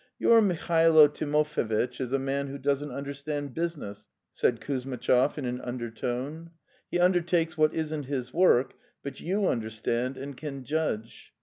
'Your Mihailo Timofevitch is a man who doesn't understand business,' said Kuzmitchov in an under tone; '' he undertakes what isn't his work, but you understand and can judge.